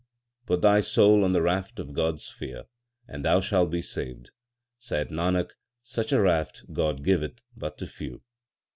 Put thy soul on the raft of God s fear, and thou shalt be saved. Saith Nanak, such a raft God giveth but to few.